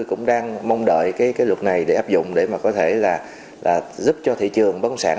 cũng đang mong đợi cái luật này để áp dụng để mà có thể là giúp cho thị trường bất động sản